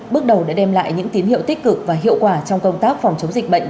bước đầu đã đem lại những tín hiệu tích cực và hiệu quả trong công tác phòng chống dịch bệnh